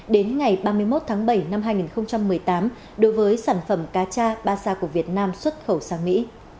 đến ngày ba mươi một tháng bảy năm hai nghìn một mươi tám đối với sản phẩm cá cha ba sa của việt nam xuất khẩu sang mỹ